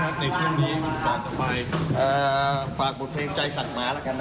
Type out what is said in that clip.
ในช่วงนี้ก่อนจะไปฝากบทเพลงใจสั่งหมาแล้วกันนะ